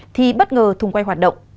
thì bất ngờ thùng quay hoạt động